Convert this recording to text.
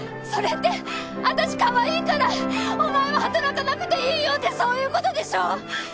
それって私かわいいからお前は働かなくていいよってそういう事でしょ！？